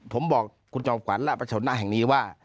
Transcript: ผมบอกคุณจอมขวัญและประชนหน้าแห่งนี้ว่า